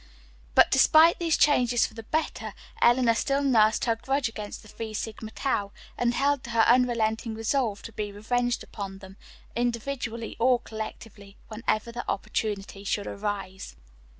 But despite these changes for the better, Eleanor still nursed her grudge against the Phi Sigma Tau, and held to her unrelenting resolve to be revenged upon them, individually or collectively, whenever the opportunity should arise.